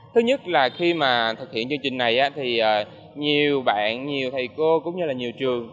thứ nhất là khi mà thực hiện chương trình này thì nhiều bạn nhiều thầy cô cũng như là nhiều trường